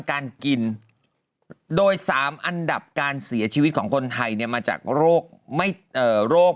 การกินโดย๓อันดับการเสียชีวิตของคนไทยเนี่ยมาจากโรค